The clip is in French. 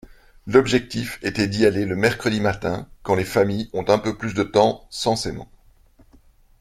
L’objectif était d’y aller le mercredi matin quand les familles ont un peu plus de temps censément.